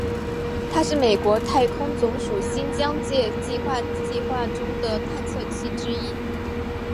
它是美国太空总署新疆界计画计划中的探测器之一。